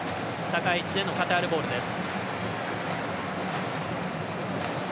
高い位置でのカタールボールです。